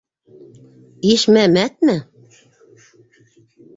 Ишмәмәтме?